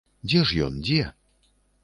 Дзе ж ён, дзе?